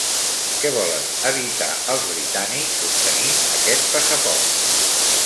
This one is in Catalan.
Què volen evitar els britànics obtenint aquest passaport?